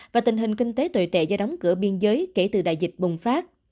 và tình hình kinh tế tồi tệ do đóng cửa biên giới kể từ đại dịch bùng phát